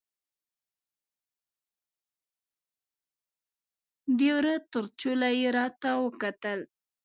د وره تر چوله یې راته وکتل